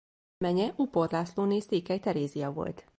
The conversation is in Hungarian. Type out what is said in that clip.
Menye Upor Lászlóné Székely Terézia volt.